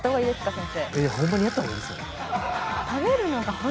先生。